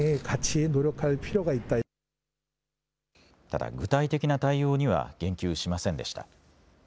ただ具体的な対応には言及しませんでした。